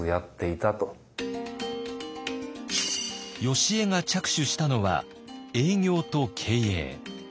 よしえが着手したのは営業と経営。